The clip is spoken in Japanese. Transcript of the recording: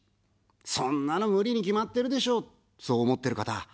そんなの無理に決まってるでしょ、そう思ってる方。